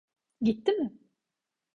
Gitti mi?